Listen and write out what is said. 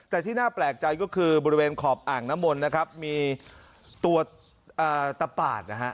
แต่ที่น่าแปลกใจก็คือบริเวณขอบอ่างน้ำมนต์นะครับมีตัวตะปาดนะฮะ